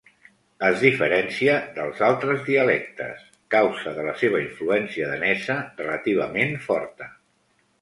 Es diferencia dels altres dialectes, causa de la seva influència danesa relativament forta.